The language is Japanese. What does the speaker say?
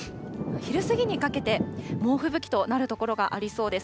昼過ぎにかけて猛吹雪となる所がありそうです。